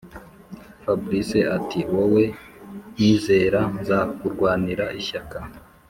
fabric ati”wowe nyizera nzakurwanira ishyaka